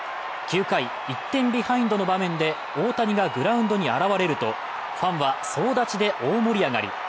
９回、１点ビハインドの場面で大谷がグラウンドに現れるとファンは、総立ちで大盛り上がり。